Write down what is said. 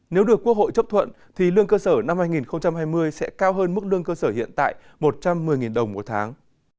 nếu được quốc hội chấp thuận thì lương cơ sở năm hai nghìn hai mươi sẽ cao hơn mức lương cơ sở hiện tại một trăm một mươi đồng một tháng